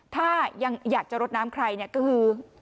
ถ้ายังอยากจะรดน้ำใครเนี่ยก็คือ